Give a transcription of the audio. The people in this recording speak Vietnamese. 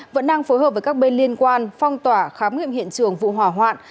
vẫn đang phối hợp với các bên liên quan phong tỏa khám nghiệm hiện trường vụ hỏa hoạn